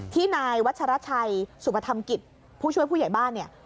ที่นายวัชรชัยสุปธรรมกิจผู้ช่วยผู้ใหญ่บ้านเนี่ย